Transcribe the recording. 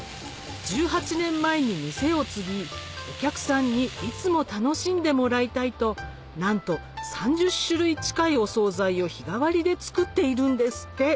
１８年前に店を継ぎお客さんにいつも楽しんでもらいたいとなんと３０種類近いお総菜を日替わりで作っているんですって！